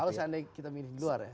kalau seandainya kita milih di luar ya